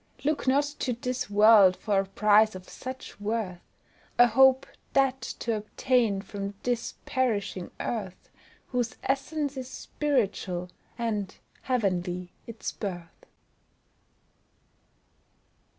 Look not to this world for a prize of such worth, Or hope that to obtain from this perishing earth Whose essence is spiritual, and heavenly its birth.